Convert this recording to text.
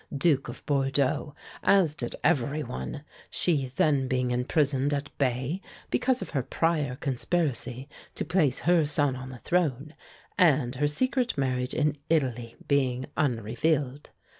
Duke of Bordeaux, as did every one, she then being imprisoned at Baye because of her prior conspiracy to place her son on the throne, and her secret marriage in Italy being unrevealed.